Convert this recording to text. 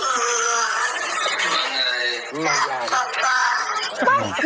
เบื่ออยากกลับบ้าน